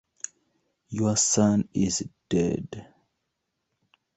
Your son is dead.